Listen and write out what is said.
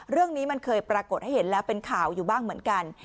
เรื่องนี้มันเคยปรากฏให้เห็นแล้วเป็นข่าวอยู่บ้างเหมือนกัน